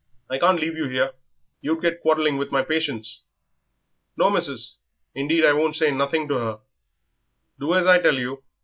I can't leave you here you'd get quarrelling with my patients." "No, missis, indeed I won't say nothing to her." "Do as I tell you.